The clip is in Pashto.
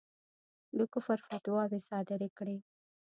د کُفر فتواوې صادري کړې.